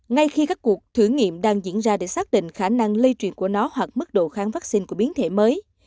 ngay khi các cuộc thử nghiệm đang diễn ra để xác định khả năng lây truyền của nó hoặc mức độ kháng vaccine của biến thể mới